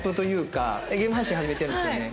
ゲーム配信始めてるんですよね？